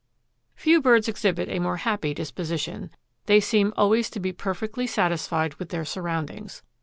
'" Few birds exhibit a more happy disposition. They seem always to be perfectly satisfied with their surroundings.